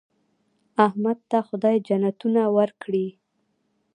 احمد ته خدای جنتونه ورکړي.